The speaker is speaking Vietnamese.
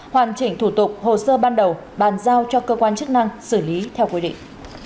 hoàn chỉnh thủ tục hồ sơ ban đầu bàn giao cho cơ quan chức năng xử lý theo quy định